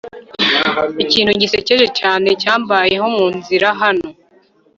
ikintu gisekeje cyane cyambayeho munzira hano